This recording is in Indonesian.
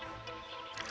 ini udah kaget